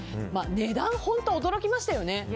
値段、本当に驚きましたよね。